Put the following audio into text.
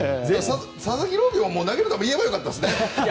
佐々木朗希も投げる球言えば良かったですね。